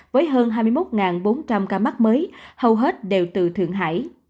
với hơn hai mươi một bốn trăm linh ca mắc mới hầu hết đều từ thượng hải